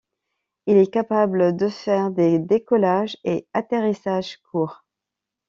Il est capable de faire des décollages et atterrissages courts.